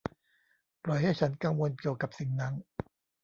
ปล่อยให้ฉันกังวลเกี่ยวกับสิ่งนั้น